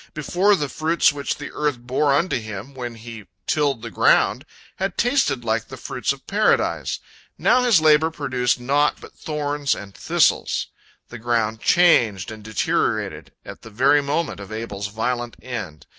Before, the fruits which the earth bore unto him when he tilled the ground had tasted like the fruits of Paradise. Now his labor produced naught but thorns and thistles. The ground changed and deteriorated at the very moment of Abel's violent end.